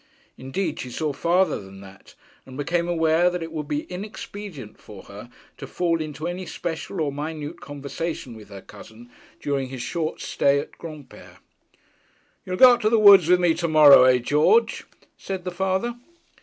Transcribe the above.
Indeed, she saw farther than that, and became aware that it would be inexpedient for her to fall into any special or minute conversation with her cousin during his short stay at Granpere. 'You'll go up to the woods with me tomorrow eh, George?' said the father.